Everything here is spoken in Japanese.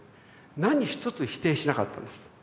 何一つ否定しなかったんです。